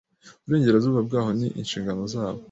uburenganzira bwabo n inshingano zabo